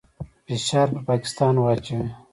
فشار پر پاکستان واچوي.